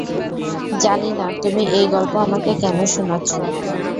জানি না তুমি এই গল্প আমাকে কেন শোনাচ্ছো।